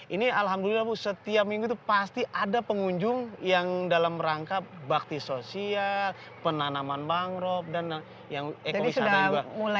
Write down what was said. ini alhamdulillah bu setiap minggu itu pasti ada pengunjung yang dalam rangka bakti sosial penanaman mangrove dan yang ekosistem juga